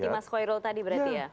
seperti mas koirul tadi berarti ya